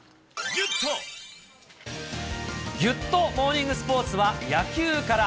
ギュッとモーニングスポーツは、野球から。